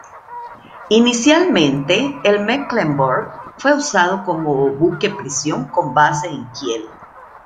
Inicialmente, el "Mecklenburg" fue usado como buque prisión con base en Kiel.